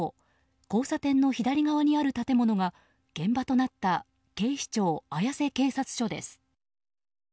交差点の左側にある建物が現場となった警視庁綾瀬警察署です。